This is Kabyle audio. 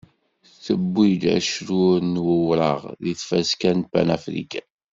Tewwi-d acrur n wuraɣ deg tfaska n Panafrican.